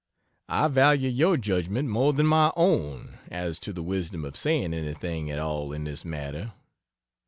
I value your judgment more than my own, as to the wisdom of saying anything at all in this matter.